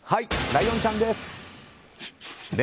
ライオンちゃんです。